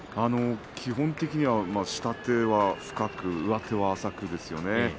基本的には下手は深く上手は浅くですよね。